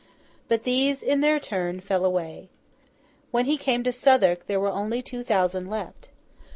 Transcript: But these, in their turn, fell away. When he came to Southwark, there were only two thousand left.